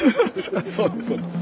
そうですそうです。